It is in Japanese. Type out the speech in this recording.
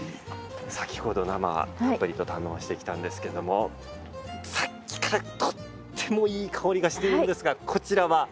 先ほど生、たっぷりと堪能してきたんですけれどもさっきから、とってもいい香りがしているんですが、こちらは？